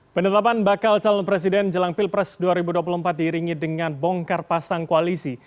penetapan bakal calon presiden jelang pilpres dua ribu dua puluh empat diiringi dengan bongkar pasang koalisi